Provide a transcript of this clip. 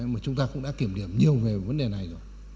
mà chúng ta cũng đã kiểm điểm nhiều về vấn đề này rồi